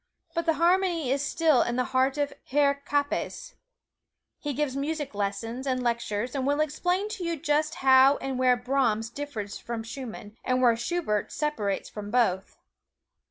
But the harmony is still in the heart of Herr Kappes. He gives music lessons, and lectures, and will explain to you just how and where Brahms differs from Schumann, and where Schubert separates from both.